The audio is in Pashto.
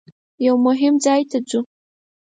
یوه مهم ځای ته ځو.